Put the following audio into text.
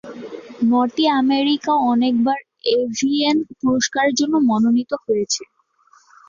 নটি আমেরিকা অনেকবার এভিএন পুরস্কারের জন্য মনোনীত হয়েছে।